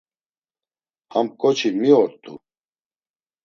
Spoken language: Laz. Ham ǩoçi mi ort̆u?